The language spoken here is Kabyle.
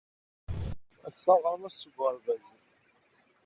Ass-a ɣran-as-d seg uɣerbaz.